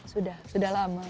sudah sudah lama